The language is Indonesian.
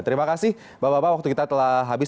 terima kasih bapak bapak waktu kita telah habis